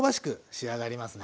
仕上がりますね。